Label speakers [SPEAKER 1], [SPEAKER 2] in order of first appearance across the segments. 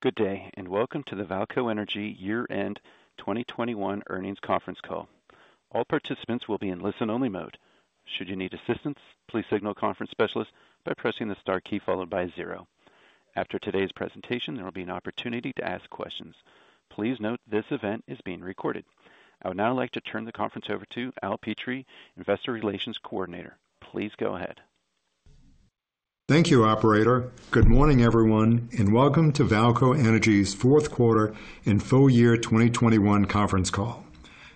[SPEAKER 1] Good day, and welcome to the VAALCO Energy Year-End 2021 Earnings Conference Call. All participants will be in listen-only mode. Should you need assistance, please signal conference specialist by pressing the star key followed by zero. After today's presentation, there will be an opportunity to ask questions. Please note this event is being recorded. I would now like to turn the conference over to Al Petrie, Investor Relations Coordinator. Please go ahead.
[SPEAKER 2] Thank you, operator. Good morning, everyone, and welcome to VAALCO Energy's fourth quarter and full year 2021 conference call.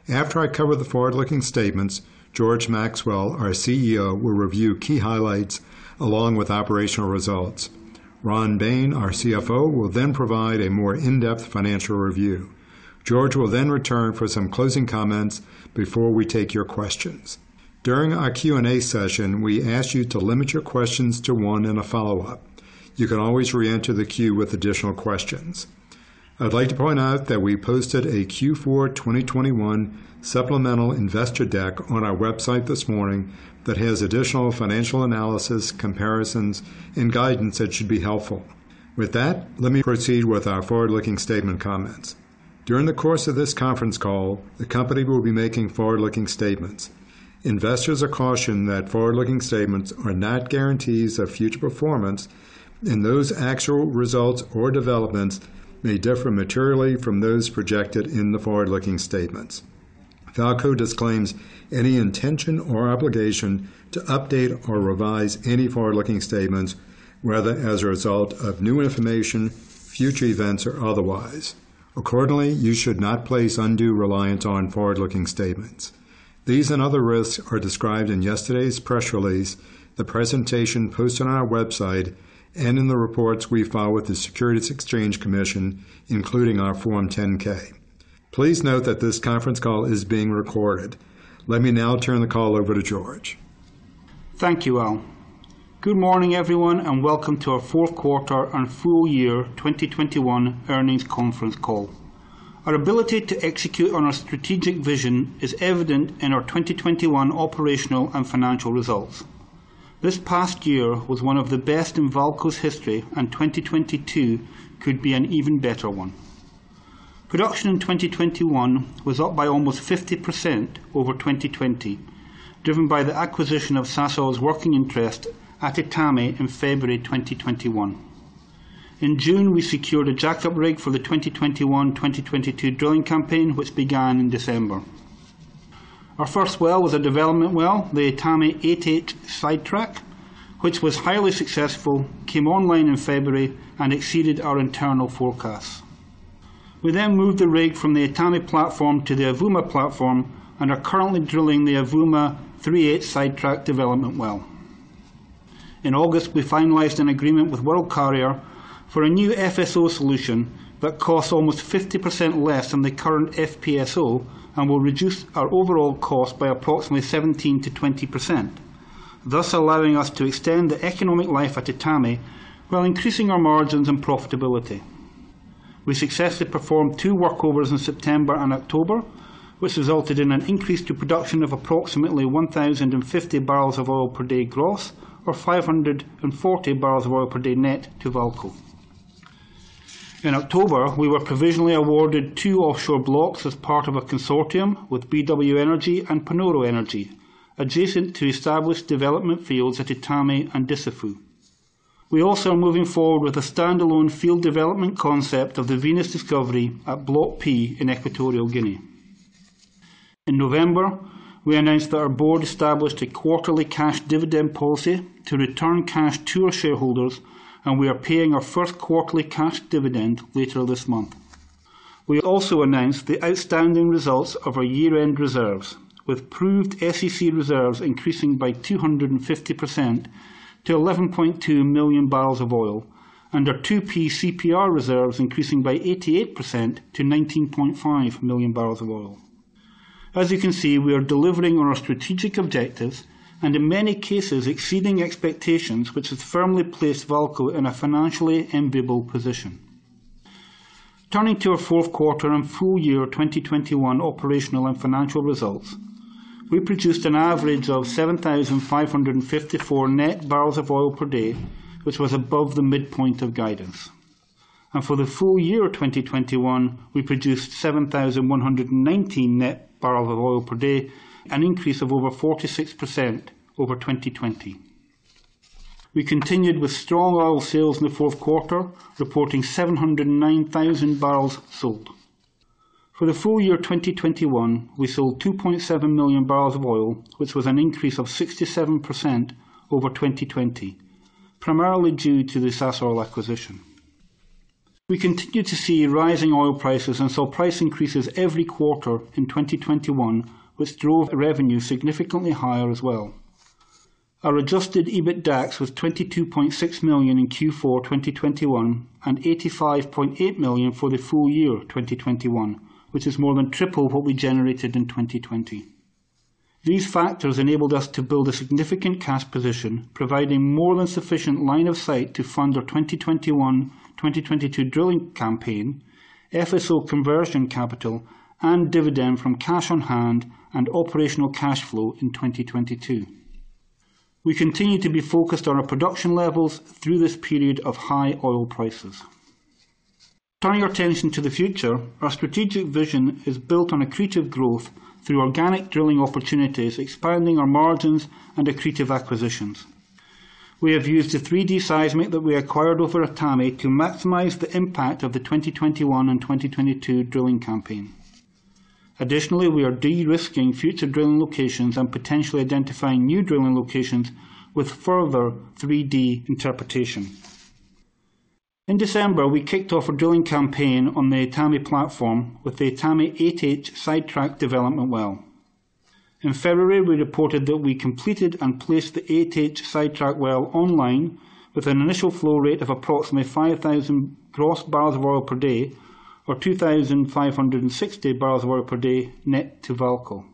[SPEAKER 2] After I cover the forward-looking statements, George Maxwell, our CEO, will review key highlights along with operational results. Ron Bain, our CFO, will then provide a more in-depth financial review. George will then return for some closing comments before we take your questions. During our Q&A session, we ask you to limit your questions to one and a follow-up. You can always re-enter the queue with additional questions. I'd like to point out that we posted a Q4 2021 supplemental investor deck on our website this morning that has additional financial analysis, comparisons, and guidance that should be helpful. With that, let me proceed with our forward-looking statement comments. During the course of this conference call, the company will be making forward-looking statements. Investors are cautioned that forward-looking statements are not guarantees of future performance, and those actual results or developments may differ materially from those projected in the forward-looking statements. VAALCO disclaims any intention or obligation to update or revise any forward-looking statements, whether as a result of new information, future events, or otherwise. Accordingly, you should not place undue reliance on forward-looking statements. These and other risks are described in yesterday's press release, the presentation posted on our website, and in the reports we file with the Securities and Exchange Commission, including our Form 10-K. Please note that this conference call is being recorded. Let me now turn the call over to George.
[SPEAKER 3] Thank you, Al. Good morning, everyone, and welcome to our fourth quarter and full year 2021 earnings conference call. Our ability to execute on our strategic vision is evident in our 2021 operational and financial results. This past year was one of the best in VAALCO's history, and 2022 could be an even better one. Production in 2021 was up by almost 50% over 2020, driven by the acquisition of Sasol's working interest at Etame in February 2021. In June, we secured a jackup rig for the 2021/2022 drilling campaign, which began in December. Our first well was a development well, the Etame 8H sidetrack, which was highly successful, came online in February and exceeded our internal forecasts. We then moved the rig from the Etame platform to the Avouma platform and are currently drilling the Avouma 3H sidetrack development well. In August, we finalized an agreement with World Carrier for a new FSO solution that costs almost 50% less than the current FPSO and will reduce our overall cost by approximately 17%-20%, thus allowing us to extend the economic life at Etame while increasing our margins and profitability. We successfully performed two workovers in September and October, which resulted in an increase to production of approximately 1,050 barrels of oil per day gross or 540 barrels of oil per day net to VAALCO. In October, we were provisionally awarded two offshore blocks as part of a consortium with BW Energy and Panoro Energy, adjacent to established development fields at Etame and Dussafu. We also are moving forward with a standalone field development concept of the Venus discovery at Block P in Equatorial Guinea. In November, we announced that our board established a quarterly cash dividend policy to return cash to our shareholders, and we are paying our first quarterly cash dividend later this month. We also announced the outstanding results of our year-end reserves, with proved SEC reserves increasing by 250% to 11.2 million barrels of oil, and our 2P CPR reserves increasing by 88% to 19.5 million barrels of oil. As you can see, we are delivering on our strategic objectives and in many cases exceeding expectations which has firmly placed VAALCO in a financially enviable position. Turning to our fourth quarter and full year 2021 operational and financial results, we produced an average of 7,554 net barrels of oil per day, which was above the midpoint of guidance. For the full year 2021, we produced 7,119 net barrels of oil per day, an increase of over 46% over 2020. We continued with strong oil sales in the fourth quarter, reporting 709,000 barrels sold. For the full year 2021, we sold 2.7 million barrels of oil, which was an increase of 67% over 2020, primarily due to the Sasol acquisition. We continued to see rising oil prices and saw price increases every quarter in 2021, which drove revenue significantly higher as well. Our adjusted EBITDAX was $22.6 million in Q4 2021 and $85.8 million for the full year 2021, which is more than triple what we generated in 2020. These factors enabled us to build a significant cash position, providing more than sufficient line of sight to fund our 2021/2022 drilling campaign, FSO conversion capital, and dividend from cash on hand and operational cash flow in 2022. We continue to be focused on our production levels through this period of high oil prices. Turning our attention to the future, our strategic vision is built on accretive growth through organic drilling opportunities, expanding our margins and accretive acquisitions. We have used the 3D seismic that we acquired over Etame to maximize the impact of the 2021 and 2022 drilling campaign. Additionally, we are de-risking future drilling locations and potentially identifying new drilling locations with further 3D interpretation. In December, we kicked off a drilling campaign on the Etame platform with the Etame 8H sidetrack development well. In February, we reported that we completed and placed the Etame 8H-ST well online with an initial flow rate of approximately 5,000 gross barrels of oil per day or 2,560 barrels of oil per day net to VAALCO.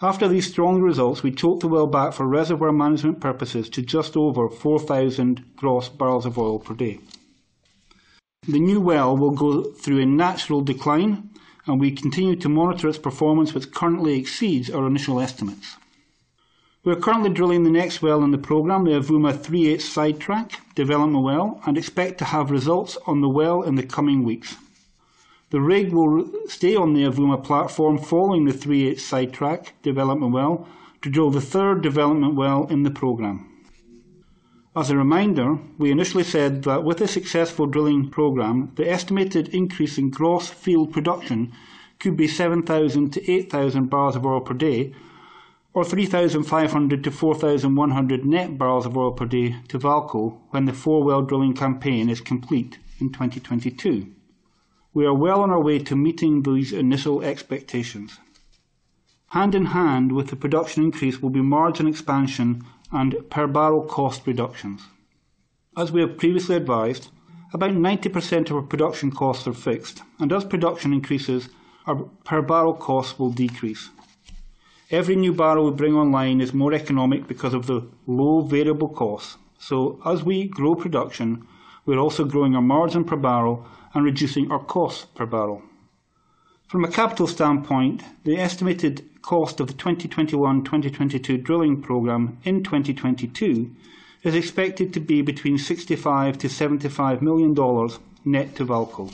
[SPEAKER 3] After these strong results, we choked the well back for reservoir management purposes to just over 4,000 gross barrels of oil per day. The new well will go through a natural decline, and we continue to monitor its performance, which currently exceeds our initial estimates. We are currently drilling the next well in the program, the Avouma 3H-ST development well, and expect to have results on the well in the coming weeks. The rig will stay on the Avouma platform following the 3H-ST development well to drill the third development well in the program. As a reminder, we initially said that with a successful drilling program, the estimated increase in gross field production could be 7,000-8,000 barrels of oil per day or 3,500-4,100 net barrels of oil per day to VAALCO when the four-well drilling campaign is complete in 2022. We are well on our way to meeting these initial expectations. Hand in hand with the production increase will be margin expansion and per barrel cost reductions. As we have previously advised, about 90% of our production costs are fixed, and as production increases, our per barrel costs will decrease. Every new barrel we bring online is more economic because of the low variable costs. As we grow production, we're also growing our margin per barrel and reducing our cost per barrel. From a capital standpoint, the estimated cost of the 2021-2022 drilling program in 2022 is expected to be between $65-$75 million net to VAALCO.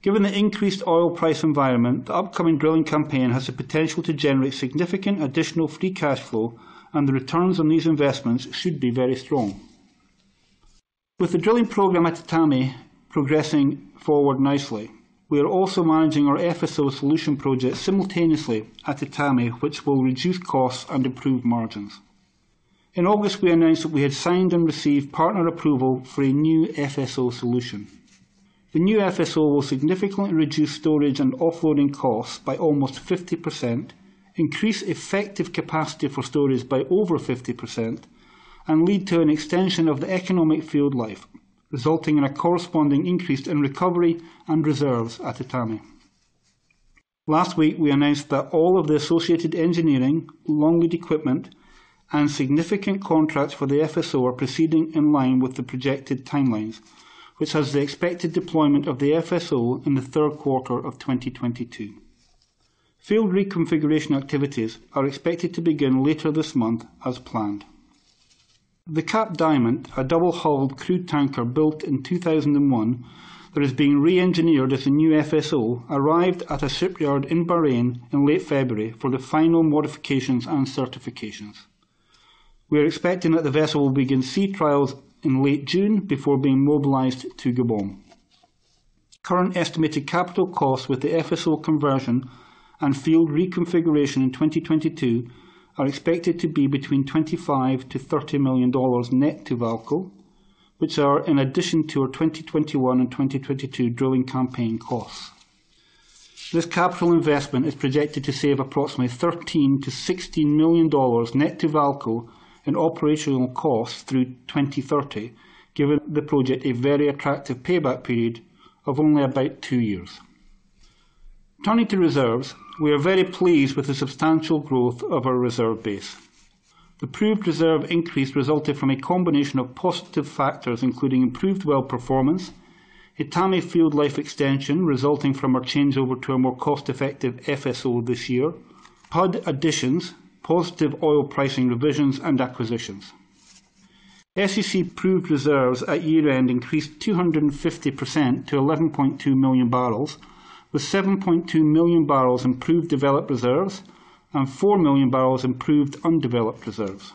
[SPEAKER 3] Given the increased oil price environment, the upcoming drilling campaign has the potential to generate significant additional free cash flow, and the returns on these investments should be very strong. With the drilling program at Etame progressing forward nicely, we are also managing our FSO solution project simultaneously at Etame, which will reduce costs and improve margins. In August, we announced that we had signed and received partner approval for a new FSO solution. The new FSO will significantly reduce storage and offloading costs by almost 50%, increase effective capacity for storage by over 50%, and lead to an extension of the economic field life, resulting in a corresponding increase in recovery and reserves at Etame. Last week, we announced that all of the associated engineering, long lead equipment, and significant contracts for the FSO are proceeding in line with the projected timelines, which has the expected deployment of the FSO in the third quarter of 2022. Field reconfiguration activities are expected to begin later this month as planned. The Cap Diamant, a double-hulled crude tanker built in 2001 that is being re-engineered as a new FSO, arrived at a shipyard in Bahrain in late February for the final modifications and certifications. We are expecting that the vessel will begin sea trials in late June before being mobilized to Gabon. Current estimated capital costs with the FSO conversion and field reconfiguration in 2022 are expected to be between $25-$30 million net to VAALCO, which are in addition to our 2021 and 2022 drilling campaign costs. This capital investment is projected to save approximately $13 million-$16 million net to VAALCO in operational costs through 2030, giving the project a very attractive payback period of only about two years. Turning to reserves, we are very pleased with the substantial growth of our reserve base. The proved reserve increase resulted from a combination of positive factors, including improved well performance, Etame field life extension resulting from our changeover to a more cost-effective FSO this year, PUD additions, positive oil pricing revisions, and acquisitions. SEC proved reserves at year-end increased 250% to 11.2 million barrels, with 7.2 million barrels in proved developed reserves and 4 million barrels in proved undeveloped reserves.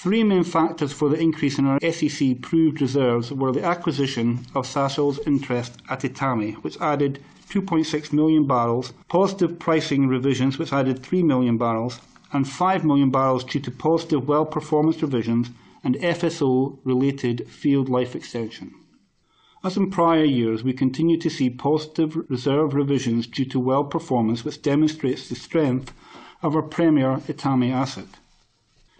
[SPEAKER 3] Three main factors for the increase in our SEC proved reserves were the acquisition of Sasol's interest at Etame, which added 2.6 million barrels, positive pricing revisions which added 3 million barrels, and 5 million barrels due to positive well performance revisions and FSO-related field life extension. As in prior years, we continue to see positive reserve revisions due to well performance, which demonstrates the strength of our premier Etame asset.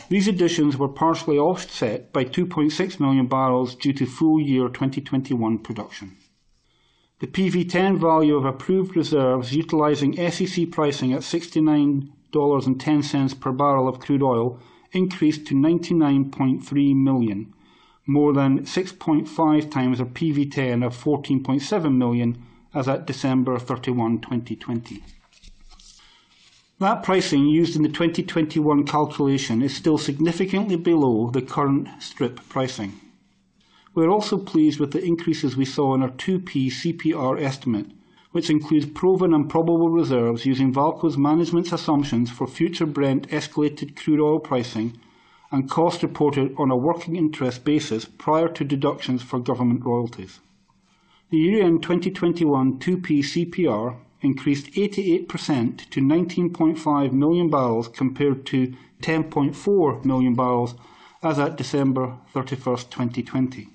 [SPEAKER 3] These additions were partially offset by 2.6 million barrels due to full year 2021 production. The PV-10 value of proved reserves utilizing SEC pricing at $69.10 per barrel of crude oil increased to $99.3 million. More than 6.5 times our PV-10 of $14.7 million as at December 31, 2020. That pricing used in the 2021 calculation is still significantly below the current strip pricing. We're also pleased with the increases we saw in our 2P CPR estimate, which includes proven and probable reserves using VAALCO's management's assumptions for future Brent escalated crude oil pricing and cost reported on a working interest basis prior to deductions for government royalties. The year-end 2021 2P CPR increased 88% to 19.5 million barrels compared to 10.4 million barrels as at December 31st, 2020.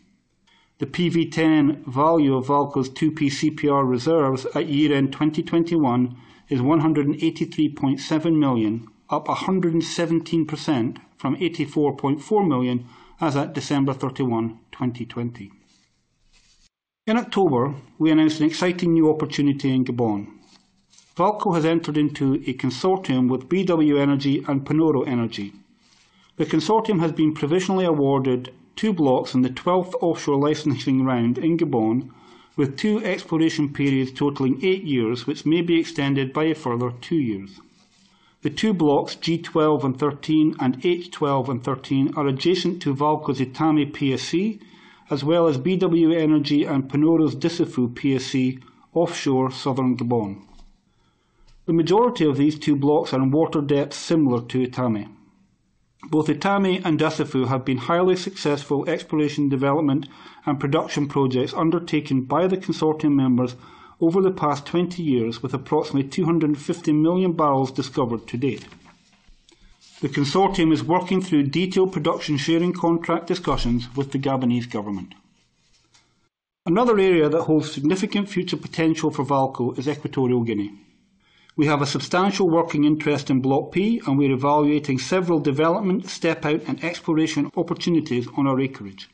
[SPEAKER 3] The PV-10 value of VAALCO's 2P CPR reserves at year-end 2021 is $183.7 million, up 117% from $84.4 million as at December 31, 2020. In October, we announced an exciting new opportunity in Gabon. VAALCO has entered into a consortium with BW Energy and Panoro Energy. The consortium has been provisionally awarded two blocks in the 12th offshore licensing round in Gabon with two exploration periods totaling eight years, which may be extended by a further two years. The two blocks, G12-13 and H12-13, are adjacent to VAALCO's Etame PSC, as well as BW Energy and Panoro's Dussafu PSC offshore southern Gabon. The majority of these two blocks are in water depths similar to Etame. Both Etame and Dussafu have been highly successful exploration, development, and production projects undertaken by the consortium members over the past 20 years with approximately 250 million barrels discovered to date. The consortium is working through detailed production sharing contract discussions with the Gabonese government. Another area that holds significant future potential for VAALCO is Equatorial Guinea. We have a substantial working interest in Block P, and we're evaluating several development, step-out, and exploration opportunities on our acreage.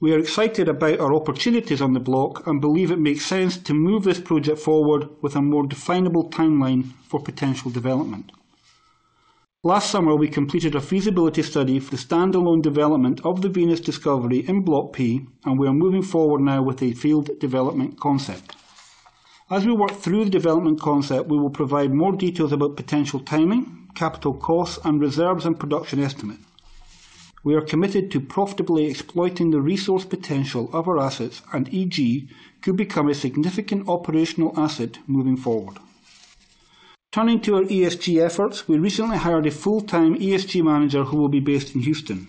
[SPEAKER 3] We are excited about our opportunities on the block and believe it makes sense to move this project forward with a more definable timeline for potential development. Last summer, we completed a feasibility study for the standalone development of the Venus discovery in Block P, and we are moving forward now with a field development concept. As we work through the development concept, we will provide more details about potential timing, capital costs, and reserves and production estimate. We are committed to profitably exploiting the resource potential of our assets, and EG could become a significant operational asset moving forward. Turning to our ESG efforts, we recently hired a full-time ESG manager who will be based in Houston.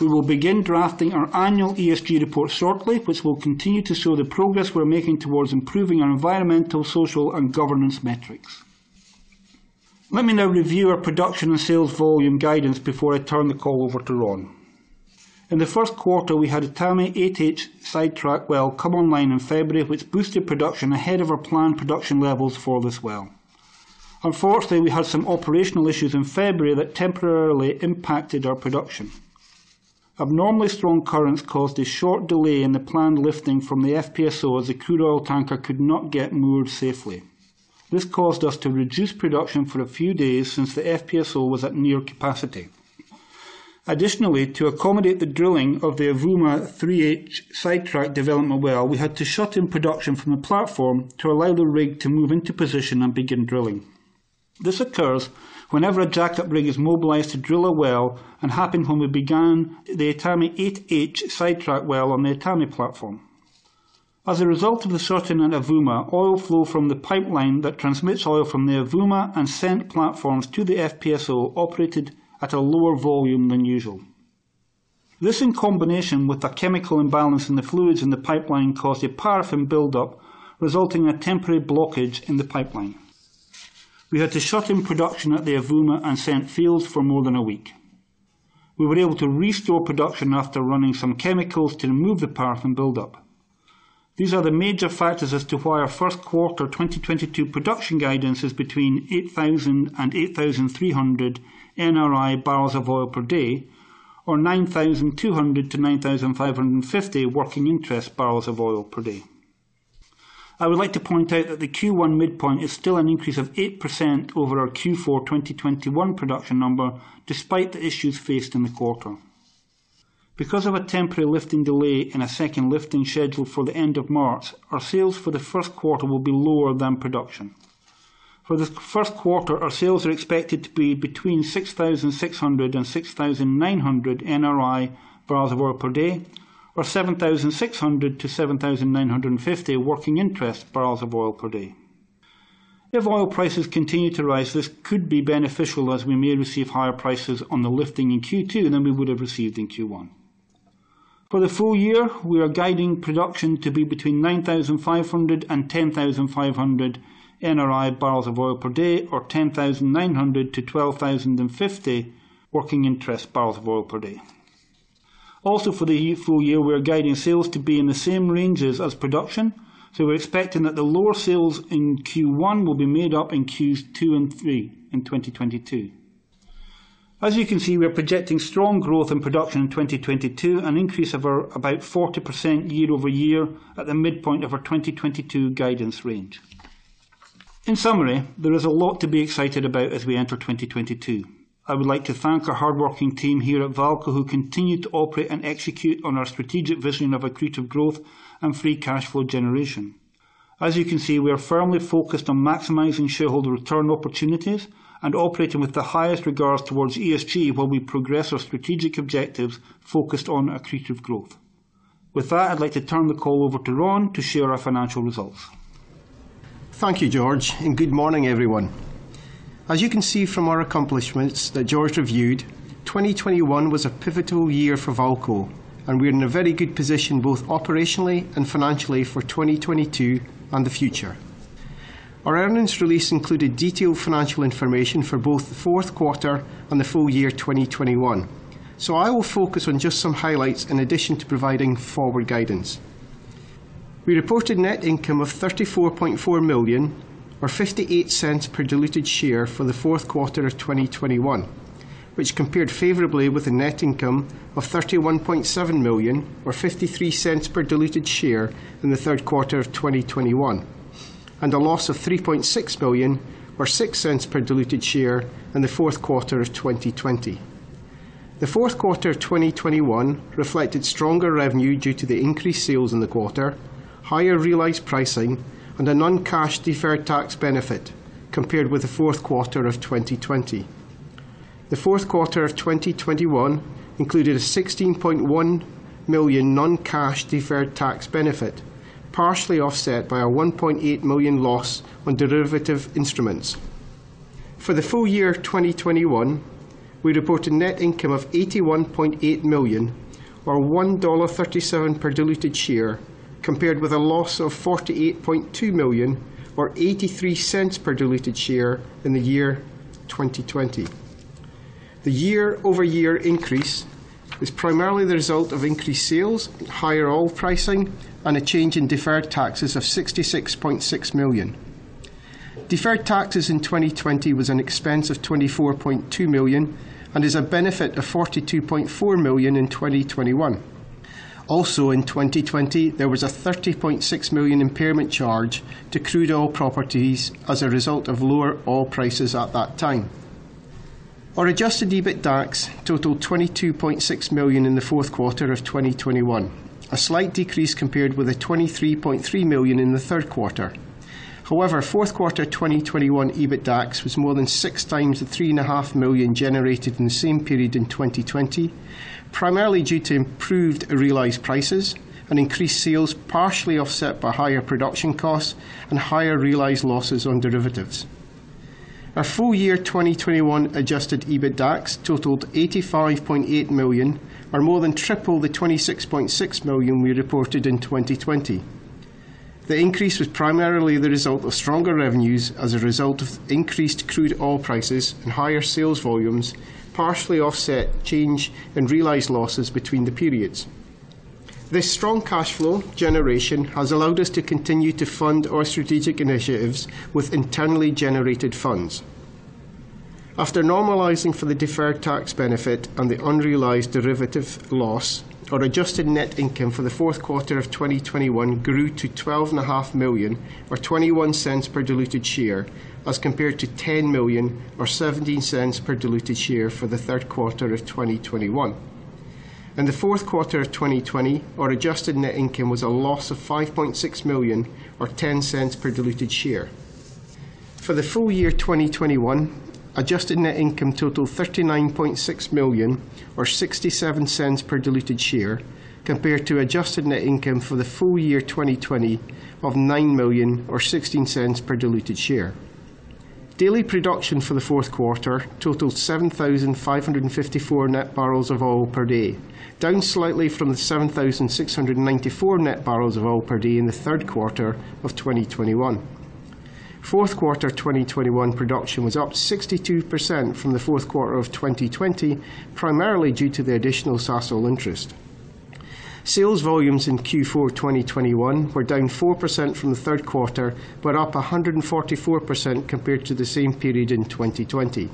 [SPEAKER 3] We will begin drafting our annual ESG report shortly, which will continue to show the progress we're making towards improving our environmental, social, and governance metrics. Let me now review our production and sales volume guidance before I turn the call over to Ron. In the first quarter, we had Etame 8H-ST well come online in February, which boosted production ahead of our planned production levels for this well. Unfortunately, we had some operational issues in February that temporarily impacted our production. Abnormally strong currents caused a short delay in the planned lifting from the FPSO, as the crude oil tanker could not get moored safely. This caused us to reduce production for a few days since the FPSO was at near capacity. Additionally, to accommodate the drilling of the Avouma 3H-ST development well, we had to shut in production from the platform to allow the rig to move into position and begin drilling. This occurs whenever a jackup rig is mobilized to drill a well and happened when we began the Etame 8H-ST well on the Etame platform. As a result of the shut-in at Avouma, oil flow from the pipeline that transmits oil from the Avouma and SEENT platforms to the FPSO operated at a lower volume than usual. This, in combination with a chemical imbalance in the fluids in the pipeline, caused a paraffin buildup, resulting in a temporary blockage in the pipeline. We had to shut in production at the Avouma and SEENT fields for more than a week. We were able to restore production after running some chemicals to remove the paraffin buildup. These are the major factors as to why our first quarter 2022 production guidance is between 8,000 and 8,300 NRI barrels of oil per day, or 9,200-9,550 working interest barrels of oil per day. I would like to point out that the Q1 midpoint is still an increase of 8% over our Q4 2021 production number despite the issues faced in the quarter. Because of a temporary lifting delay and a second lifting schedule for the end of March, our sales for the first quarter will be lower than production. For the first quarter, our sales are expected to be between 6,600-6,900 NRI barrels of oil per day or 7,600-7,950 working interest barrels of oil per day. If oil prices continue to rise, this could be beneficial as we may receive higher prices on the lifting in Q2 than we would have received in Q1. For the full year, we are guiding production to be between 9,500-10,500 NRI barrels of oil per day or 10,900-12,050 working interest barrels of oil per day. Also, for the full year, we are guiding sales to be in the same ranges as production. We're expecting that the lower sales in Q1 will be made up in Q2 and Q3 in 2022. As you can see, we are projecting strong growth in production in 2022, an increase of about 40% year-over-year at the midpoint of our 2022 guidance range. In summary, there is a lot to be excited about as we enter 2022. I would like to thank our hardworking team here at VAALCO who continue to operate and execute on our strategic vision of accretive growth and free cash flow generation. As you can see, we are firmly focused on maximizing shareholder return opportunities and operating with the highest regards towards ESG while we progress our strategic objectives focused on accretive growth. With that, I'd like to turn the call over to Ron to share our financial results.
[SPEAKER 4] Thank you, George, and good morning, everyone. As you can see from our accomplishments that George reviewed, 2021 was a pivotal year for VAALCO, and we are in a very good position, both operationally and financially for 2022 and the future. Our earnings release included detailed financial information for both the fourth quarter and the full year 2021. I will focus on just some highlights in addition to providing forward guidance. We reported net income of $34.4 million or $0.58 per diluted share for the fourth quarter of 2021, which compared favorably with a net income of $31.7 million or $0.53 per diluted share in the third quarter of 2021, and a loss of $3.6 million or $0.06 per diluted share in the fourth quarter of 2020. The fourth quarter of 2021 reflected stronger revenue due to the increased sales in the quarter, higher realized pricing, and a non-cash deferred tax benefit compared with the fourth quarter of 2020. The fourth quarter of 2021 included a $16.1 million non-cash deferred tax benefit, partially offset by a $1.8 million loss on derivative instruments. For the full year 2021, we reported net income of $81.8 million or $1.37 per diluted share, compared with a loss of $48.2 million or $0.83 per diluted share in the year 2020. The year-over-year increase is primarily the result of increased sales at higher oil pricing and a change in deferred taxes of $66.6 million. Deferred taxes in 2020 was an expense of $24.2 million and is a benefit of $42.4 million in 2021. Also in 2020, there was a $30.6 million impairment charge to crude oil properties as a result of lower oil prices at that time. Our adjusted EBITDAX totaled $22.6 million in the fourth quarter of 2021, a slight decrease compared with the $23.3 million in the third quarter. However, fourth quarter 2021 EBITDAX was more than 6 times the $3.5 million generated in the same period in 2020, primarily due to improved realized prices and increased sales, partially offset by higher production costs and higher realized losses on derivatives. Our full year 2021 adjusted EBITDAX totaled $85.8 million or more than triple the $26.6 million we reported in 2020. The increase was primarily the result of stronger revenues as a result of increased crude oil prices and higher sales volumes, partially offset by changes in realized losses between the periods. This strong cash flow generation has allowed us to continue to fund our strategic initiatives with internally generated funds. After normalizing for the deferred tax benefit and the unrealized derivative loss, our adjusted net income for the fourth quarter of 2021 grew to $12.5 million or $0.21 per diluted share as compared to $10 million or $0.17 per diluted share for the third quarter of 2021. In the fourth quarter of 2020, our adjusted net income was a loss of $5.6 million or $0.10 per diluted share. For the full year 2021, adjusted net income totaled $39.6 million or $0.67 per diluted share compared to adjusted net income for the full year 2020 of $9 million or $0.16 per diluted share. Daily production for the fourth quarter totaled 7,554 net barrels of oil per day, down slightly from the 7,694 net barrels of oil per day in the third quarter of 2021. Fourth quarter 2021 production was up 62% from the fourth quarter of 2020, primarily due to the additional Sasol interest. Sales volumes in Q4 2021 were down 4% from the third quarter, but up 144% compared to the same period in 2020.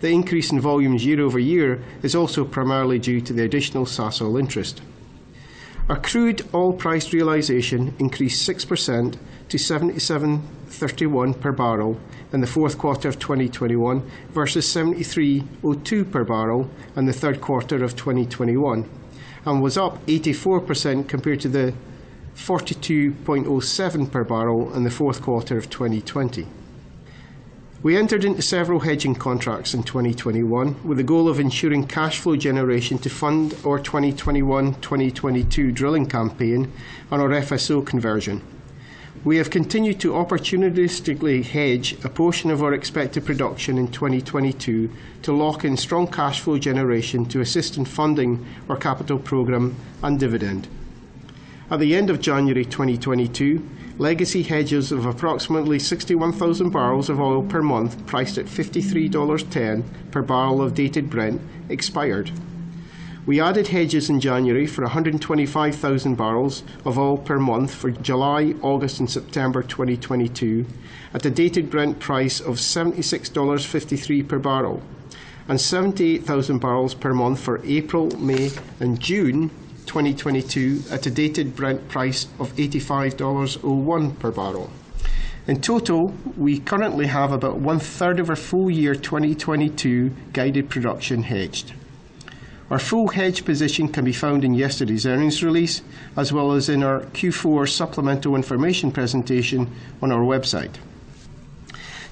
[SPEAKER 4] The increase in volumes year-over-year is also primarily due to the additional Sasol interest. Our crude oil price realization increased 6% to $77.31 per barrel in the fourth quarter of 2021 versus $73.02 per barrel in the third quarter of 2021, and was up 84% compared to the $42.07 per barrel in the fourth quarter of 2020. We entered into several hedging contracts in 2021 with the goal of ensuring cash flow generation to fund our 2021, 2022 drilling campaign and our FSO conversion. We have continued to opportunistically hedge a portion of our expected production in 2022 to lock in strong cash flow generation to assist in funding our capital program and dividend. At the end of January 2022, legacy hedges of approximately 61,000 barrels of oil per month, priced at $53.10 per barrel of dated Brent, expired. We added hedges in January for 125,000 barrels of oil per month for July, August, and September 2022 at a dated Brent price of $76.53 per barrel and 78,000 barrels per month for April, May, and June 2022 at a dated Brent price of $85.01 per barrel. In total, we currently have about one-third of our full-year 2022 guided production hedged. Our full hedge position can be found in yesterday's earnings release, as well as in our Q4 supplemental information presentation on our website.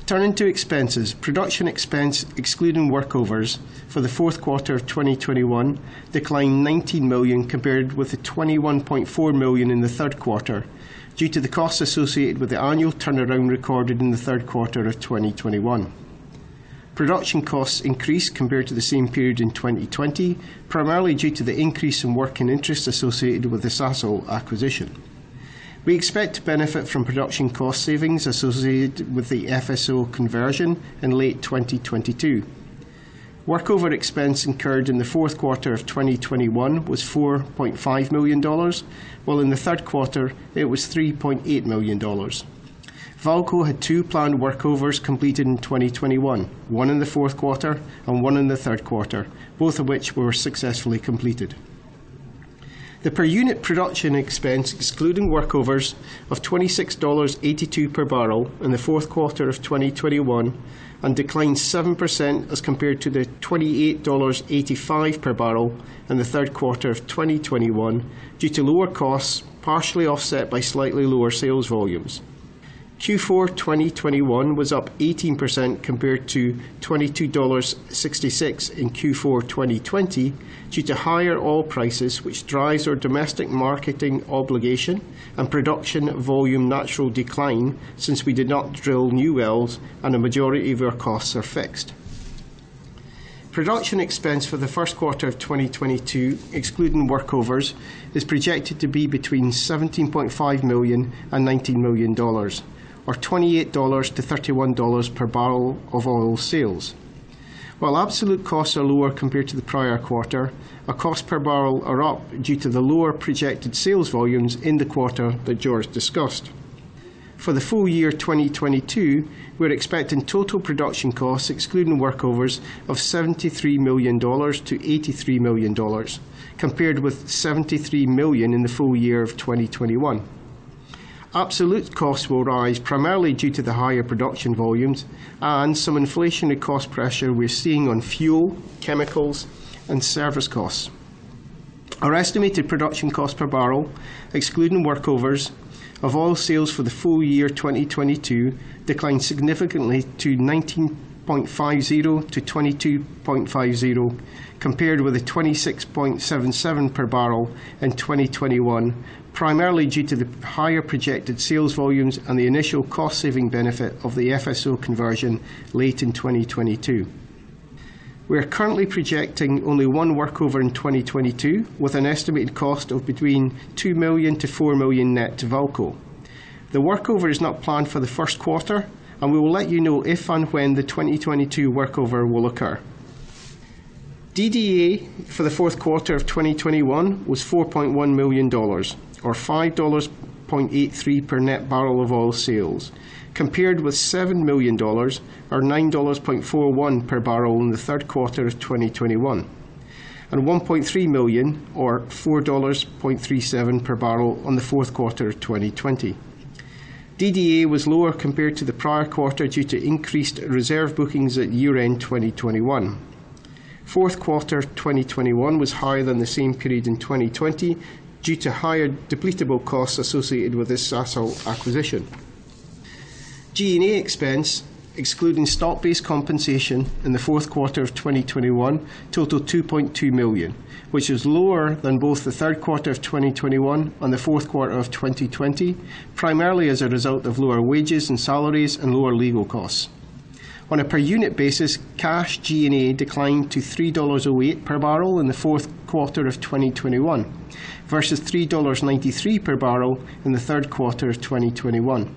[SPEAKER 4] Turning to expenses, production expense excluding workovers for the fourth quarter of 2021 declined $19 million compared with the $21.4 million in the third quarter due to the costs associated with the annual turnaround recorded in the third quarter of 2021. Production costs increased compared to the same period in 2020, primarily due to the increase in working interest associated with the Sasol acquisition. We expect to benefit from production cost savings associated with the FSO conversion in late 2022. Workover expense incurred in the fourth quarter of 2021 was $4.5 million, while in the third quarter it was $3.8 million. VAALCO had 2 planned workovers completed in 2021, 1 in the fourth quarter and 1 in the third quarter, both of which were successfully completed. The per-unit production expense excluding workovers of $26.82 per barrel in the fourth quarter of 2021 and declined 7% as compared to the $28.85 per barrel in the third quarter of 2021 due to lower costs partially offset by slightly lower sales volumes. Q4 2021 was up 18% compared to $22.66 in Q4 2020 due to higher oil prices which drives our domestic marketing obligation and production volume natural decline since we did not drill new wells and a majority of our costs are fixed. Production expense for the first quarter of 2022, excluding workovers, is projected to be between $17.5 million and $19 million, or $28-$31 per barrel of oil sales. While absolute costs are lower compared to the prior quarter, our costs per barrel are up due to the lower projected sales volumes in the quarter that George discussed. For the full year 2022, we're expecting total production costs, excluding workovers, of $73 million-$83 million, compared with $73 million in the full year of 2021. Absolute costs will rise primarily due to the higher production volumes and some inflationary cost pressure we're seeing on fuel, chemicals, and service costs. Our estimated production cost per barrel, excluding workovers, of oil sales for the full year 2022 declined significantly to $19.50-$22.50 compared with a $26.77 per barrel in 2021, primarily due to the higher projected sales volumes and the initial cost-saving benefit of the FSO conversion late in 2022. We are currently projecting only one workover in 2022, with an estimated cost of between $2 million-$4 million net to VAALCO. The workover is not planned for the first quarter, and we will let you know if and when the 2022 workover will occur. DDA for the fourth quarter of 2021 was $4.1 million, or $5.83 per net barrel of oil sales, compared with $7 million, or $9.41 per barrel in the third quarter of 2021, and $1.3 million, or $4.37 per barrel in the fourth quarter of 2020. DDA was lower compared to the prior quarter due to increased reserve bookings at year-end 2021. Fourth quarter 2021 was higher than the same period in 2020 due to higher depletable costs associated with the Sasol acquisition. G&A expense, excluding stock-based compensation in the fourth quarter of 2021, totaled $2.2 million, which is lower than both the third quarter of 2021 and the fourth quarter of 2020, primarily as a result of lower wages and salaries and lower legal costs. On a per-unit basis, cash G&A declined to $3.08 per barrel in the fourth quarter of 2021 versus $3.93 per barrel in the third quarter of 2021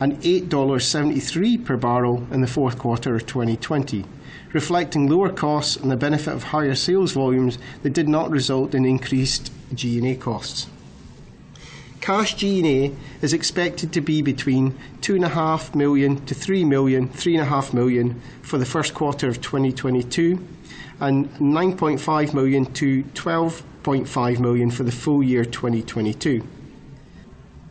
[SPEAKER 4] and $8.73 per barrel in the fourth quarter of 2020, reflecting lower costs and the benefit of higher sales volumes that did not result in increased G&A costs. Cash G&A is expected to be between $2.5 million and $3.5 million for the first quarter of 2022 and $9.5 million-$12.5 million for the full year 2022.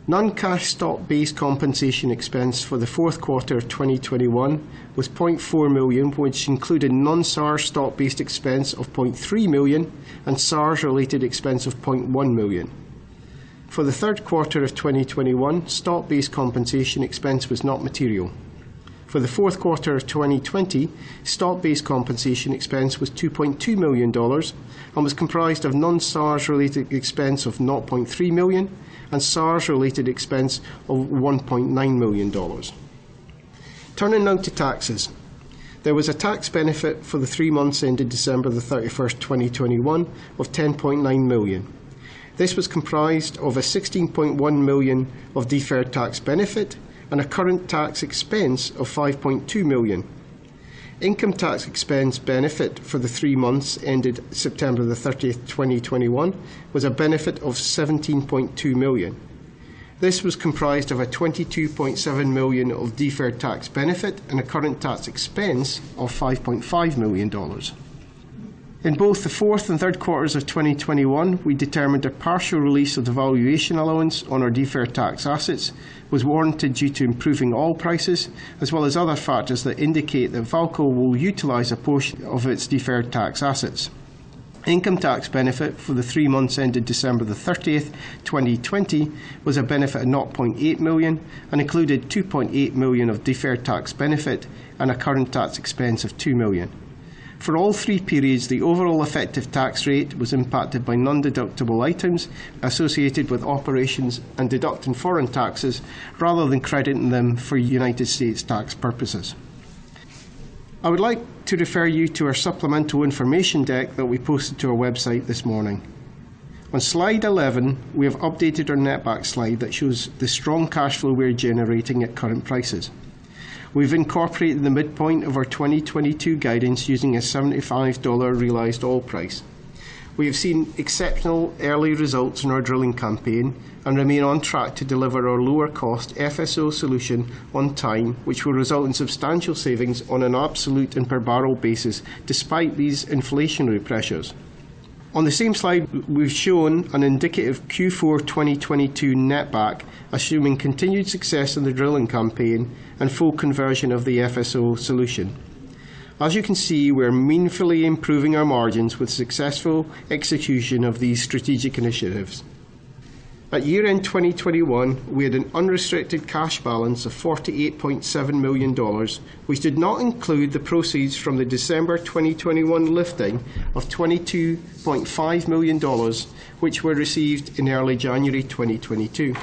[SPEAKER 4] Non-cash stock-based compensation expense for the fourth quarter of 2021 was $0.4 million, which included non-SARS stock-based expense of $0.3 million and SARS-related expense of $0.1 million. For the third quarter of 2021, stock-based compensation expense was not material. For the fourth quarter of 2020, stock-based compensation expense was $2.2 million and was comprised of non-SARS-related expense of $0.3 million and SARS-related expense of $1.9 million. Turning now to taxes. There was a tax benefit for the three months ended December 31st, 2021 of $10.9 million. This was comprised of $16.1 million of deferred tax benefit and a current tax expense of $5.2 million. Income tax expense benefit for the three months ended September 30, 2021, was a benefit of $17.2 million. This was comprised of $22.7 million of deferred tax benefit and a current tax expense of $5.5 million. In both the fourth and third quarters of 2021, we determined a partial release of the valuation allowance on our deferred tax assets was warranted due to improving oil prices as well as other factors that indicate that VAALCO will utilize a portion of its deferred tax assets. Income tax benefit for the three months ended December 30th, 2020 was a benefit of $0.8 million and included $2.8 million of deferred tax benefit and a current tax expense of $2 million. For all three periods, the overall effective tax rate was impacted by non-deductible items associated with operations and deducting foreign taxes rather than crediting them for United States tax purposes. I would like to refer you to our supplemental information deck that we posted to our website this morning. On slide 11, we have updated our netback slide that shows the strong cash flow we're generating at current prices. We've incorporated the midpoint of our 2022 guidance using a $75 realized oil price. We have seen exceptional early results in our drilling campaign and remain on track to deliver our lower cost FSO solution on time, which will result in substantial savings on an absolute and per barrel basis despite these inflationary pressures. On the same slide, we've shown an indicative Q4 2022 netback, assuming continued success in the drilling campaign and full conversion of the FSO solution. As you can see, we're meaningfully improving our margins with successful execution of these strategic initiatives. At year-end 2021, we had an unrestricted cash balance of $48.7 million, which did not include the proceeds from the December 2021 lifting of $22.5 million, which were received in early January 2022.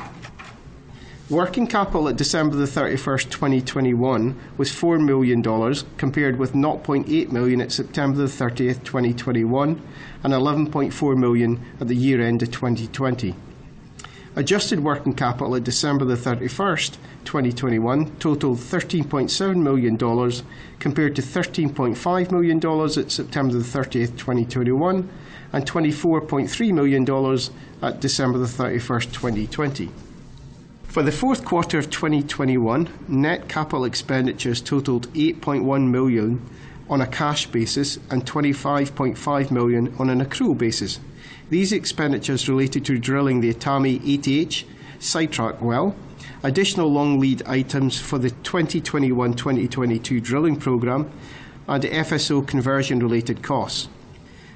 [SPEAKER 4] Working capital at December 31st, 2021 was $4 million, compared with $0.8 million at September 30th, 2021, and $11.4 million at year-end 2020. Adjusted working capital at December 31st, 2021 totaled $13.7 million, compared to $13.5 million at September 30th, 2021, and $24.3 million at December 31s, 2020. For the fourth quarter of 2021, net capital expenditures totaled $8.1 million on a cash basis and $25.5 million on an accrual basis. These expenditures related to drilling the Etame 8H-ST sidetrack well, additional long lead items for the 2021-2022 drilling program, and FSO conversion-related costs.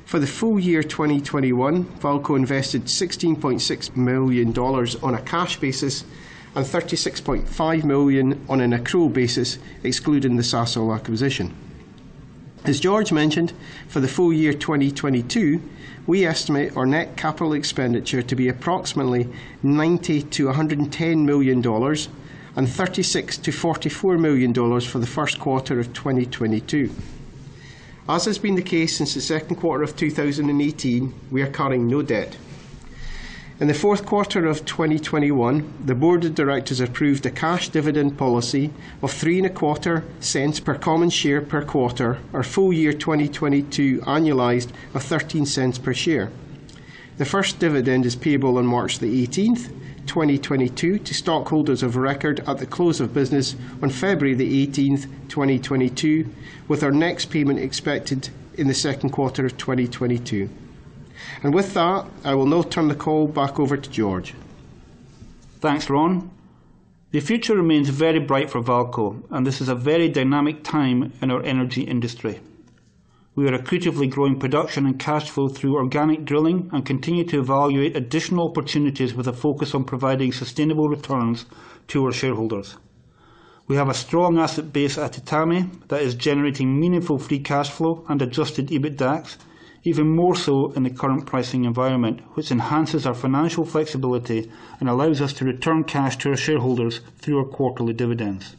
[SPEAKER 4] For the full year 2021, VAALCO invested $16.6 million on a cash basis and $36.5 million on an accrual basis, excluding the Sasol acquisition. As George mentioned, for the full year 2022, we estimate our net capital expenditure to be approximately $90 million-$110 million and $36 million-$44 million for the first quarter of 2022. As has been the case since the second quarter of 2018, we are carrying no debt. In the fourth quarter of 2021, the board of directors approved a cash dividend policy of 3.25 cents per common share per quarter, or full year 2022 annualized of 13 cents per share. The first dividend is payable on March 18, 2022 to stockholders of record at the close of business on February 18, 2022, with our next payment expected in the second quarter of 2022. With that, I will now turn the call back over to George. Thanks, Ron. The future remains very bright for VAALCO, and this is a very dynamic time in our energy industry. We are accretively growing production and cash flow through organic drilling and continue to evaluate additional opportunities with a focus on providing sustainable returns to our shareholders. We have a strong asset base at Etame that is generating meaningful free cash flow and adjusted EBITDAX, even more so in the current pricing environment, which enhances our financial flexibility and allows us to return cash to our shareholders through our quarterly dividends.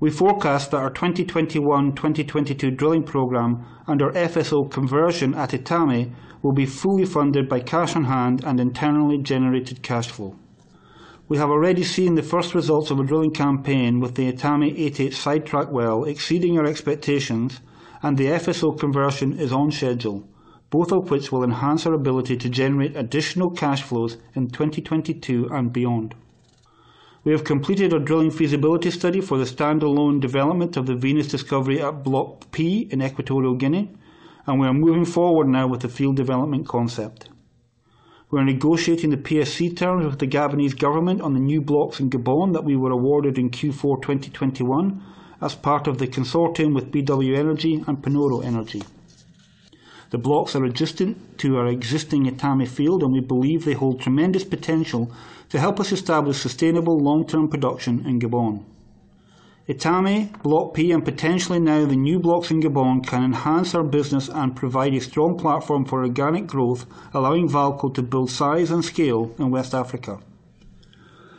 [SPEAKER 4] We forecast that our 2021-2022 drilling program and our FSO conversion at Etame will be fully funded by cash on hand and internally generated cash flow. We have already seen the first results of the drilling campaign with the Etame 8H-ST well exceeding our expectations, and the FSO conversion is on schedule, both of which will enhance our ability to generate additional cash flows in 2022 and beyond. We have completed our drilling feasibility study for the standalone development of the Venus discovery at Block P in Equatorial Guinea, and we are moving forward now with the field development concept. We are negotiating the PSC terms with the Gabonese government on the new blocks in Gabon that we were awarded in Q4 2021 as part of the consortium with BW Energy and Panoro Energy. The blocks are adjacent to our existing Etame field, and we believe they hold tremendous potential to help us establish sustainable long-term production in Gabon. Etame, Block P, and potentially now the new blocks in Gabon can enhance our business and provide a strong platform for organic growth, allowing VAALCO to build size and scale in West Africa.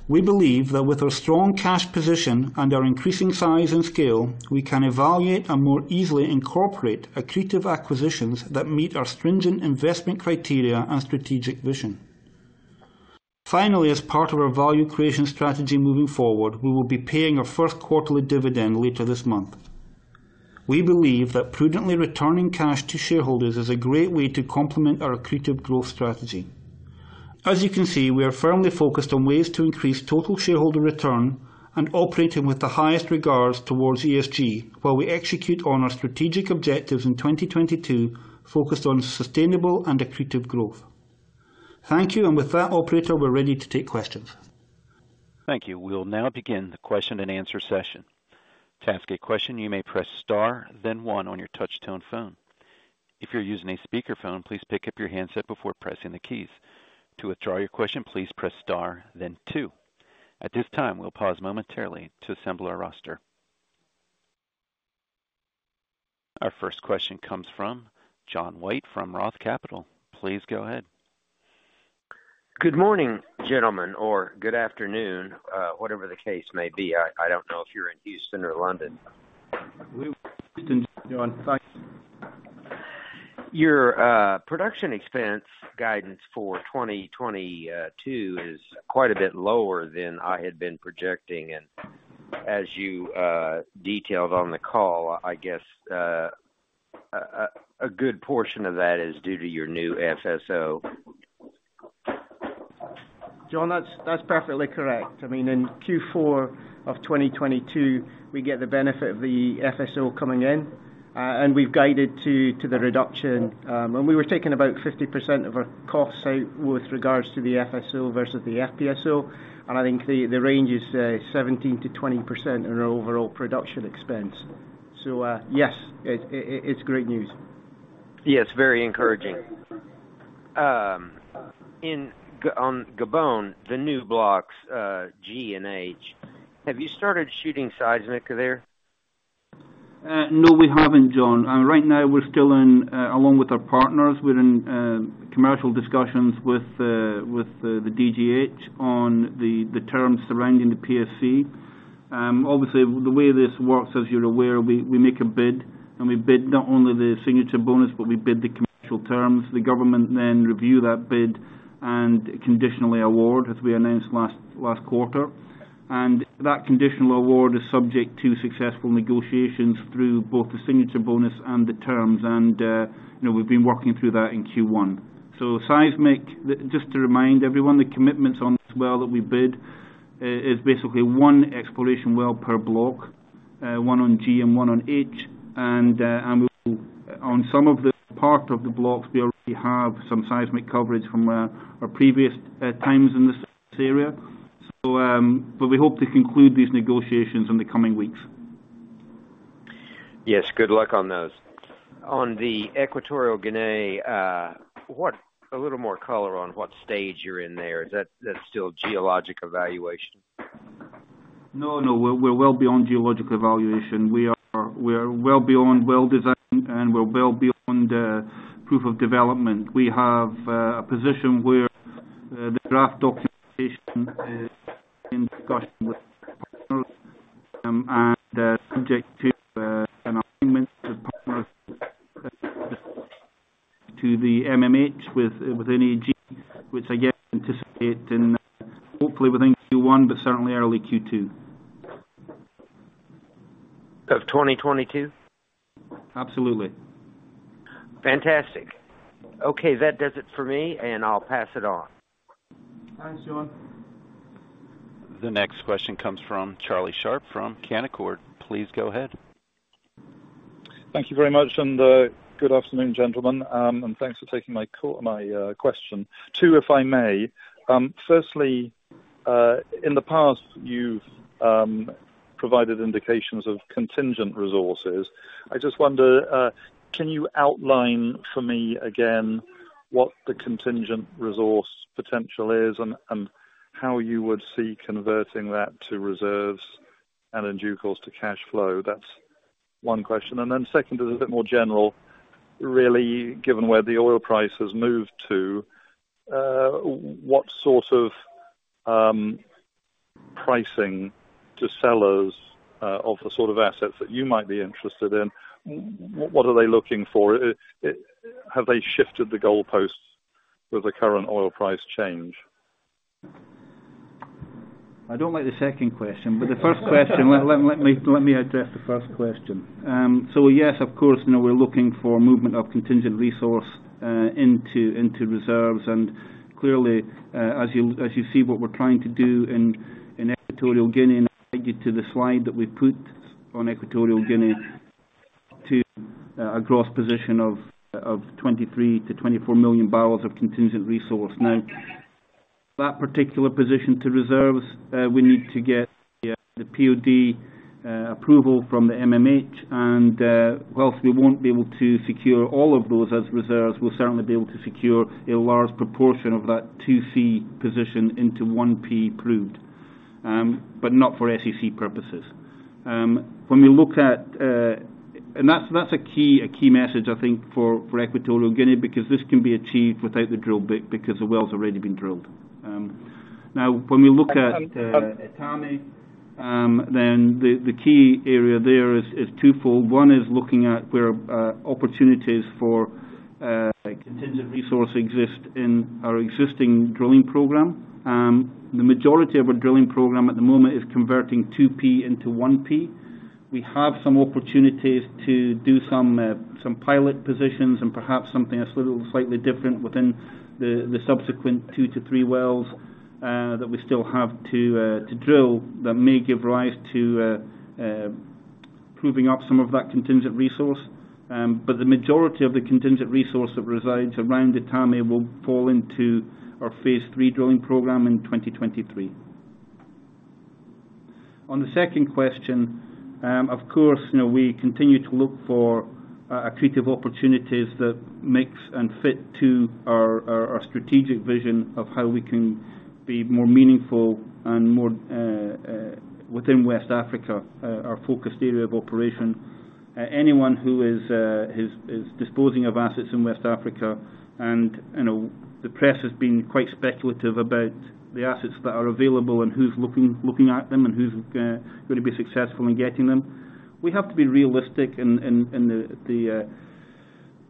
[SPEAKER 4] We believe that with our strong cash position and our increasing size and scale, we can evaluate and more easily incorporate accretive acquisitions that meet our stringent investment criteria and strategic vision. Finally, as part of our value creation strategy moving forward, we will be paying our first quarterly dividend later this month. We believe that prudently returning cash to shareholders is a great way to complement our accretive growth strategy.
[SPEAKER 3] As you can see, we are firmly focused on ways to increase total shareholder return and operating with the highest regards towards ESG while we execute on our strategic objectives in 2022, focused on sustainable and accretive growth. Thank you. With that operator, we're ready to take questions.
[SPEAKER 1] Thank you. We'll now begin the question and answer session. To ask a question, you may press Star, then one on your touchtone phone. If you're using a speakerphone, please pick up your handset before pressing the keys. To withdraw your question, please press star then two. At this time, we'll pause momentarily to assemble our roster. Our first question comes from John White from Roth Capital. Please go ahead.
[SPEAKER 5] Good morning, gentlemen, or good afternoon, whatever the case may be. I don't know if you're in Houston or London.
[SPEAKER 3] We're in Houston, John. Thanks.
[SPEAKER 5] Your production expense guidance for 2022 is quite a bit lower than I had been projecting. As you detailed on the call, I guess a good portion of that is due to your new FSO.
[SPEAKER 3] John, that's perfectly correct. I mean, in Q4 of 2022, we get the benefit of the FSO coming in, and we've guided to the reduction. We were taking out about 50% of our costs with regards to the FSO versus the FPSO. I think the range is 17%-20% in our overall production expense. Yes, it's great news.
[SPEAKER 5] Yes, very encouraging. On Gabon, the new blocks, G and H, have you started shooting seismic there?
[SPEAKER 3] No, we haven't, John. Right now we're still in commercial discussions with the DGH on the terms surrounding the PSC. Obviously, the way this works, as you're aware, we make a bid, and we bid not only the signature bonus, but we bid the commercial terms. The government then review that bid and conditionally award, as we announced last quarter. You know, we've been working through that in Q1. Just to remind everyone, the commitments on this well that we bid is basically one exploration well per block, one on G and one on H. We will. On some of the parts of the blocks, we already have some seismic coverage from our previous times in this area. We hope to conclude these negotiations in the coming weeks.
[SPEAKER 5] Yes, good luck on those. On the Equatorial Guinea, a little more color on what stage you're in there. Is that still geologic evaluation?
[SPEAKER 3] No, no. We're well beyond geologic evaluation. We are well beyond well design, and we're well beyond plan of development. We have a position where the draft documentation is in discussion with partners, and subject to an agreement with partners to the MMH with GEPetrol, which we again anticipate and hopefully within Q1, but certainly early Q2.
[SPEAKER 5] Of 2022?
[SPEAKER 3] Absolutely.
[SPEAKER 5] Fantastic. Okay, that does it for me, and I'll pass it on.
[SPEAKER 3] Thanks, John.
[SPEAKER 1] The next question comes from Charlie Sharp from Canaccord. Please go ahead.
[SPEAKER 6] Thank you very much. Good afternoon, gentlemen. Thanks for taking my call, my question. Two, if I may. Firstly, in the past you've provided indications of contingent resources. I just wonder, can you outline for me again what the contingent resource potential is and how you would see converting that to reserves and in due course to cash flow? That's one question. Then second is a bit more general, really, given where the oil price has moved to, what sort of pricing to sellers of the sort of assets that you might be interested in, what are they looking for? Have they shifted the goalpost with the current oil price change?
[SPEAKER 3] I don't like the second question. The first question, let me address the first question. So yes, of course, you know, we're looking for movement of contingent resource into reserves. Clearly, as you see what we're trying to do in Equatorial Guinea, and I guide you to the slide that we put on Equatorial Guinea to a gross position of 23-24 million barrels of contingent resource. Now, that particular position to reserves, we need to get the POD approval from the MMH. Whilst we won't be able to secure all of those as reserves, we'll certainly be able to secure a large proportion of that 2C position into 1P proved, but not for SEC purposes. When we look at. That's a key message, I think for Equatorial Guinea, because this can be achieved without the drill because the well's already been drilled. Now when we look at Etame, then the key area there is twofold. One is looking at where opportunities for contingent resource exist in our existing drilling program. The majority of our drilling program at the moment is converting 2P into 1P. We have some opportunities to do some pilot positions and perhaps something that's a little slightly different within the subsequent two to three wells that we still have to drill that may give rise to proving up some of that contingent resource. But the majority of the contingent resource that resides around Etame will fall into our phase three drilling program in 2023. On the second question, of course, you know, we continue to look for accretive opportunities that makes and fit to our strategic vision of how we can be more meaningful and more within West Africa, our focused area of operation. Anyone who is disposing of assets in West Africa, and, you know, the press has been quite speculative about the assets that are available and who's looking at them and who's gonna be successful in getting them. We have to be realistic in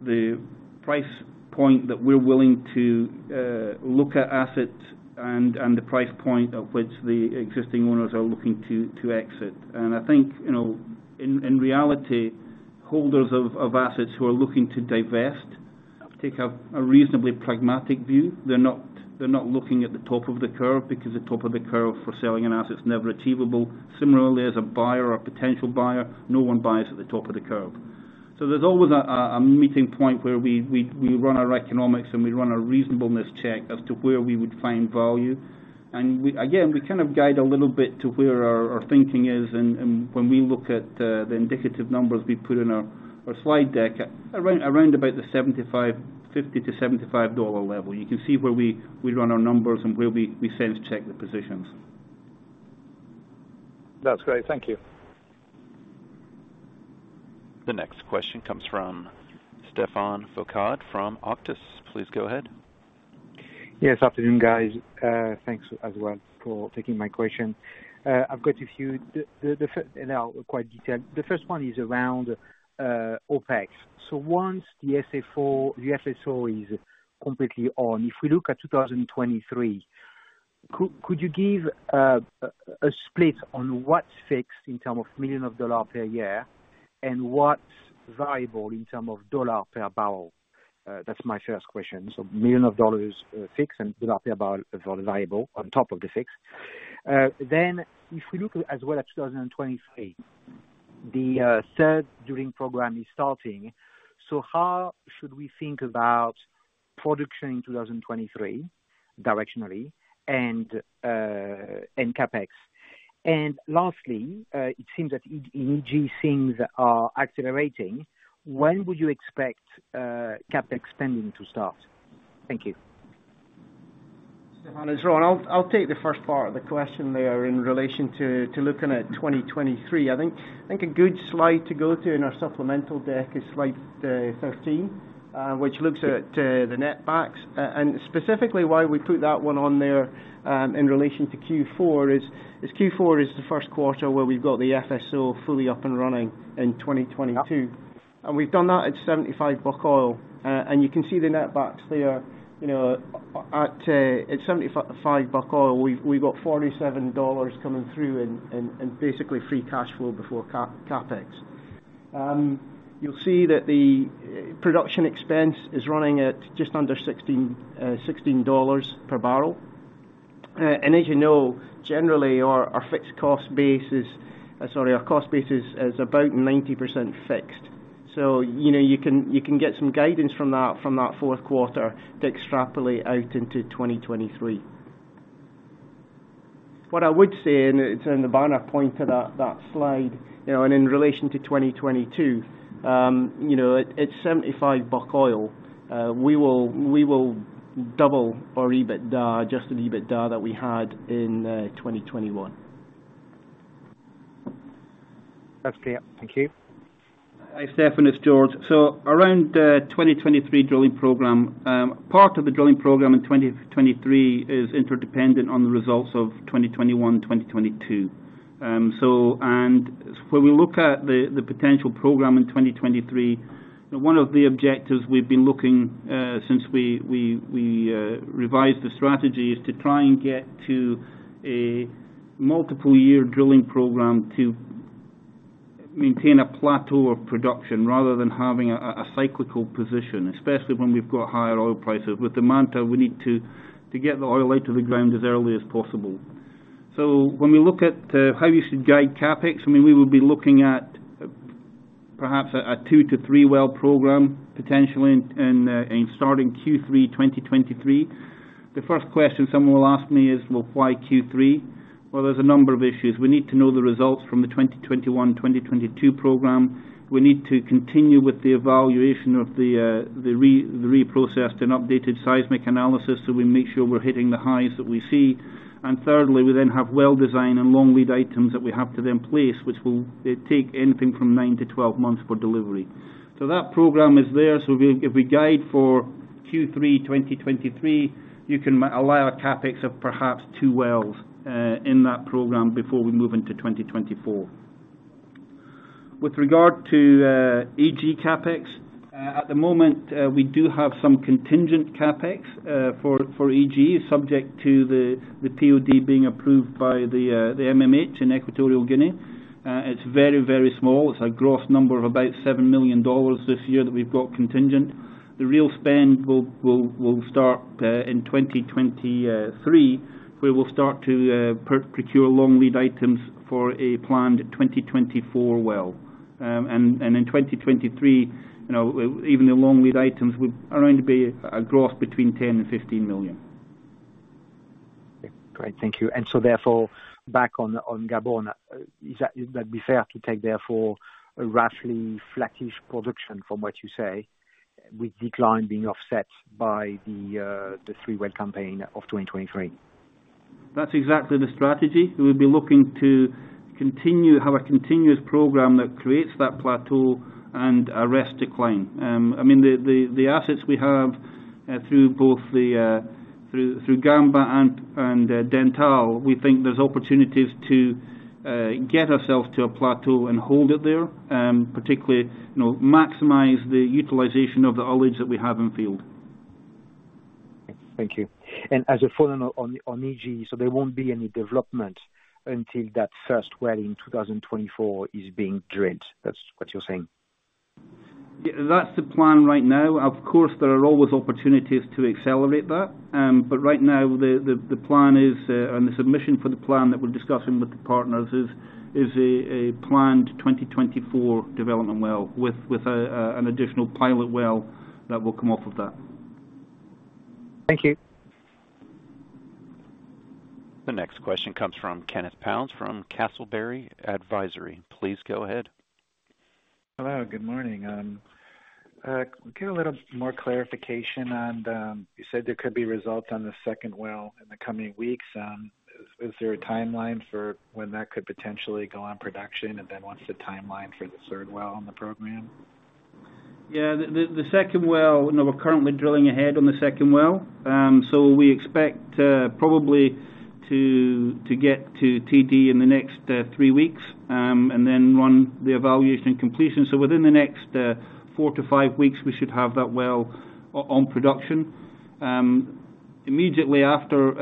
[SPEAKER 3] the price point that we're willing to look at assets and the price point of which the existing owners are looking to exit. I think, you know, in reality, holders of assets who are looking to divest take a reasonably pragmatic view. They're not looking at the top of the curve because the top of the curve for selling an asset is never achievable. Similarly, as a buyer or potential buyer, no one buys at the top of the curve. There's always a meeting point where we run our economics and we run our reasonableness check as to where we would find value. We again kind of guide a little bit to where our thinking is and when we look at the indicative numbers we put in our slide deck, around the $50-$75 level. You can see where we run our numbers and where we sense check the positions.
[SPEAKER 6] That's great. Thank you.
[SPEAKER 1] The next question comes from Stephane Foucaud from Auctus Advisors. Please go ahead.
[SPEAKER 7] Good afternoon, guys. Thanks as well for taking my question. I've got a few, and I'll be quite detailed. The first one is around OpEx. Once the SA4, the FSO is completely on, if we look at 2023, could you give a split on what's fixed in terms of $ millions per year and what's variable in terms of $ per barrel? That's my first question. $ Millions fixed and $ per barrel for variable on top of the fixed. If we look as well at 2023, the third drilling program is starting. How should we think about production in 2023 directionally and CapEx? Lastly, it seems that EG things are accelerating. When would you expect CapEx spending to start? Thank you.
[SPEAKER 4] Stephane, it's Ron. I'll take the first part of the question there in relation to looking at 2023. I think a good slide to go to in our supplemental deck is slide 13, which looks at the net backs. Specifically why we put that one on there in relation to Q4 is Q4 is the first quarter where we've got the FSO fully up and running in 2022. We've done that at $75 oil. You can see the net backs there, you know, at $75 oil, we've got $47 coming through in basically free cash flow before CapEx. You'll see that the production expense is running at just under $16 per barrel. As you know, generally our cost base is about 90% fixed. You know, you can get some guidance from that fourth quarter to extrapolate out into 2023. What I would say, it's in the bullet point to that slide, you know, and in relation to 2022, you know, at $75 oil, we will double our adjusted EBITDA that we had in 2021.
[SPEAKER 7] That's clear. Thank you.
[SPEAKER 3] Hi, Stephane, it's George. Around 2023 drilling program, part of the drilling program in 2023 is interdependent on the results of 2021, 2022. When we look at the potential program in 2023, one of the objectives we've been looking since we revised the strategy is to try and get to a multiple year drilling program to maintain a plateau of production rather than having a cyclical position, especially when we've got higher oil prices. With Etame, we need to get the oil out of the ground as early as possible. When we look at how you should guide CapEx, I mean, we would be looking at perhaps a 2-3 well program potentially in starting Q3 2023. The first question someone will ask me is, "Well, why Q3?" Well, there's a number of issues. We need to know the results from the 2021, 2022 program. We need to continue with the evaluation of the reprocessed and updated seismic analysis, so we make sure we're hitting the highs that we see. Thirdly, we then have well design and long lead items that we have to then place, which will take anything from 9-12 months for delivery. That program is there. If we guide for Q3 2023, you can allow a CapEx of perhaps 2 wells in that program before we move into 2024. With regard to EG CapEx. At the moment, we do have some contingent CapEx for EG subject to the POD being approved by the MMH in Equatorial Guinea. It's very small. It's a gross number of about $7 million this year that we've got contingent. The real spend will start in 2023. We will start to procure long lead items for a planned 2024 well. In 2023, you know, even the long lead items would around be a gross between $10 million and $15 million.
[SPEAKER 7] Great. Thank you. Back on Gabon, would that be fair to take therefore a roughly flattish production from what you say, with decline being offset by the three well campaign of 2023?
[SPEAKER 3] That's exactly the strategy. We'll be looking to have a continuous program that creates that plateau and arrests decline. I mean, the assets we have through both the Gamba and Dentale, we think there's opportunities to get ourselves to a plateau and hold it there, particularly, you know, maximize the utilization of the oil and gas that we have in field.
[SPEAKER 7] Thank you. As a follow on EG, so there won't be any development until that first well in 2024 is being drilled. That's what you're saying?
[SPEAKER 3] Yeah, that's the plan right now. Of course, there are always opportunities to accelerate that. Right now the plan is, and the submission for the plan that we're discussing with the partners is a planned 2024 development well with an additional pilot well that will come off of that.
[SPEAKER 7] Thank you.
[SPEAKER 1] The next question comes from Kenneth Pounds from Castlebury Advisory. Please go ahead.
[SPEAKER 8] Hello, good morning. Could we get a little more clarification on, you said there could be results on the second well in the coming weeks? Is there a timeline for when that could potentially go on production? What's the timeline for the third well on the program?
[SPEAKER 3] Yeah. The second well, you know, we're currently drilling ahead on the second well. We expect to probably get to TD in the next three weeks, and then run the evaluation and completion. Within the next four to five weeks, we should have that well on production. Immediately after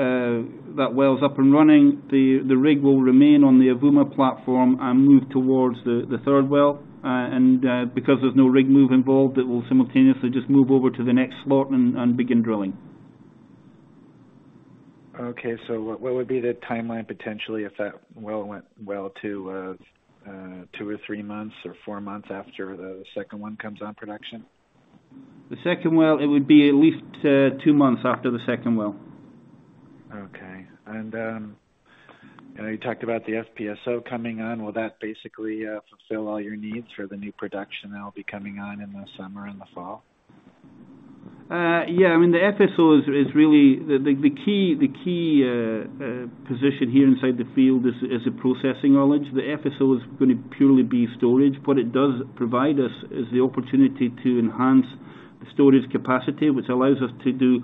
[SPEAKER 3] that well's up and running, the rig will remain on the Avouma platform and move towards the third well. Because there's no rig move involved, it will simultaneously just move over to the next slot and begin drilling.
[SPEAKER 8] Okay. What would be the timeline potentially if that well went well to 2 or 3 months or 4 months after the second one comes on production?
[SPEAKER 3] The second well, it would be at least two months after the second well.
[SPEAKER 8] Okay. You talked about the FPSO coming on. Will that basically fulfill all your needs for the new production that'll be coming on in the summer and the fall?
[SPEAKER 3] I mean, the FPSO is really. The key position here inside the field is the processing oilage. The FPSO is gonna purely be storage. What it does provide us is the opportunity to enhance the storage capacity, which allows us to do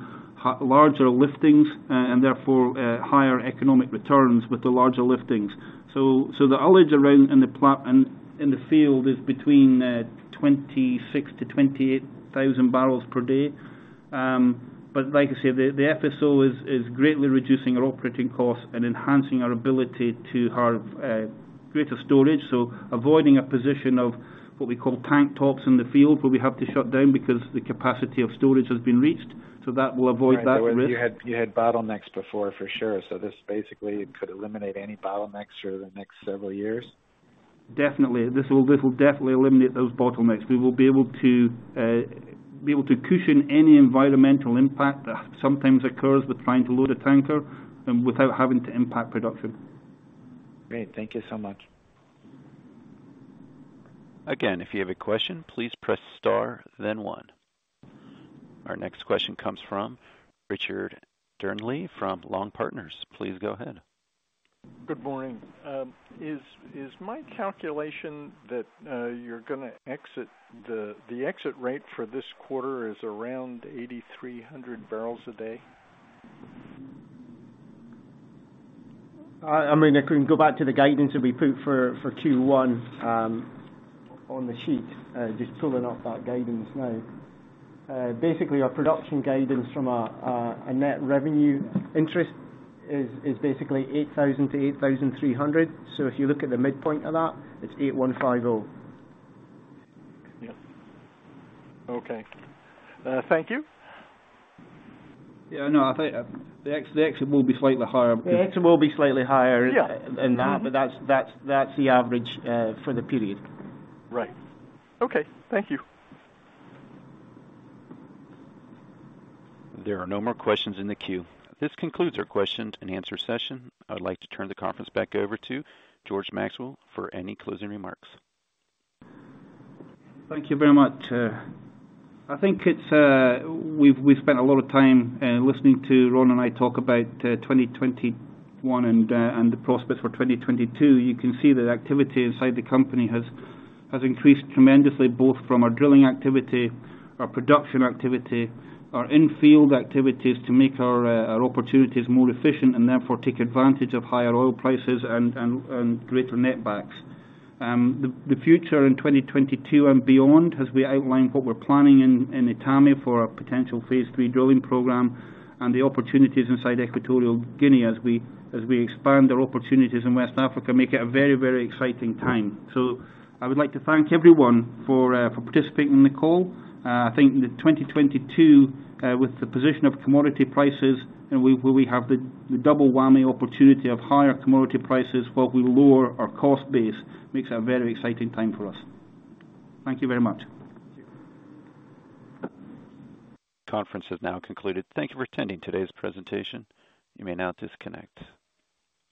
[SPEAKER 3] larger liftings and therefore higher economic returns with the larger liftings. The oilage around in the field is between 26,000-28,000 barrels per day. Like I say, the FPSO is greatly reducing our operating costs and enhancing our ability to have greater storage, avoiding a position of what we call tank tops in the field, where we have to shut down because the capacity of storage has been reached. That will avoid that risk.
[SPEAKER 8] Right. You had bottlenecks before for sure. This basically could eliminate any bottlenecks for the next several years?
[SPEAKER 3] Definitely. This will definitely eliminate those bottlenecks. We will be able to cushion any environmental impact that sometimes occurs with trying to load a tanker without having to impact production.
[SPEAKER 8] Great. Thank you so much.
[SPEAKER 1] Again, if you have a question, please press star then one. Our next question comes from Richard Darnley from Long Partners. Please go ahead.
[SPEAKER 9] Good morning. Is my calculation that you're gonna exit the exit rate for thiss quarter around 8,300 barrels a day?
[SPEAKER 3] I mean, I can go back to the guidance that we put for Q1 on the sheet, just pulling up that guidance now. Basically our production guidance from a net revenue interest is basically 8,000-8,300. If you look at the midpoint of that, it's 8,150.
[SPEAKER 9] Yes. Okay. Thank you.
[SPEAKER 3] Yeah, no, I think the exit will be slightly higher.
[SPEAKER 4] The exit will be slightly higher. Yeah. Than that, but that's the average for the period.
[SPEAKER 9] Right. Okay. Thank you.
[SPEAKER 1] There are no more questions in the queue. This concludes our question and answer session. I'd like to turn the conference back over to George Maxwell for any closing remarks.
[SPEAKER 3] Thank you very much. I think we've spent a lot of time listening to Ron and I talk about 2021 and the prospects for 2022. You can see that activity inside the company has increased tremendously, both from our drilling activity, our production activity, our in-field activities to make our opportunities more efficient and therefore take advantage of higher oil prices and greater net backs. The future in 2022 and beyond as we outlined what we're planning in Etame for a potential phase three drilling program and the opportunities inside Equatorial Guinea as we expand our opportunities in West Africa make it a very exciting time. I would like to thank everyone for participating in the call. I think in the 2022, with the position of commodity prices and we have the double whammy opportunity of higher commodity prices while we lower our cost base, makes a very exciting time for us. Thank you very much.
[SPEAKER 1] Conference is now concluded. Thank you for attending today's presentation. You may now disconnect.